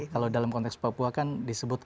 kalau dalam konteks papua kan disebut